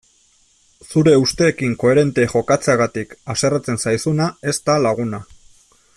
Zure usteekin koherente jokatzeagatik haserretzen zaizuna ez da laguna.